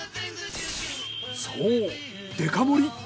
そうデカ盛り。